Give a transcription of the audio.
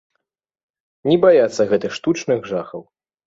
Не баяцца гэтых штучных жахаў.